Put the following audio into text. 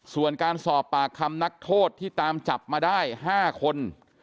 ส่วนการสอบปากคำนักโทษที่ตามจับมาได้๕คน